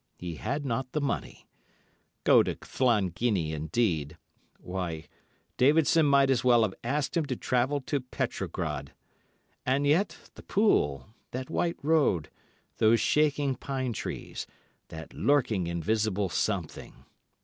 He had not the money. Go to Llanginney, indeed! Why, Davidson might as well have asked him to travel to Petrograd. And yet—the pool, that white road, those shaking pine trees, that lurking invisible something.